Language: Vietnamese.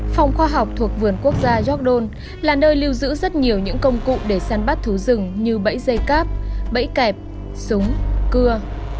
phòng khoa học thuộc vườn quốc gia gióc đôn là nơi lưu giữ rất nhiều những công cụ để săn bắt thú rừng như bẫy dây cáp bẫy kẹp súng cưa